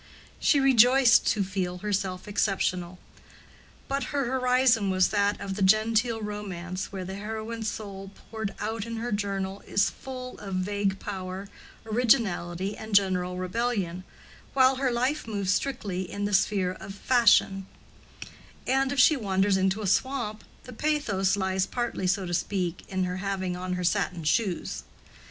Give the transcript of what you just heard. She rejoiced to feel herself exceptional; but her horizon was that of the genteel romance where the heroine's soul poured out in her journal is full of vague power, originality, and general rebellion, while her life moves strictly in the sphere of fashion; and if she wanders into a swamp, the pathos lies partly, so to speak, in her having on her satin shoes.